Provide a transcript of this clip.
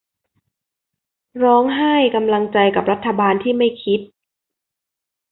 ร้องไห้กำลังใจกับรัฐบาลที่ไม่คิด